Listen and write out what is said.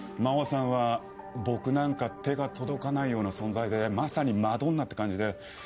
真帆さんは僕なんか手が届かないような存在でまさにマドンナって感じで。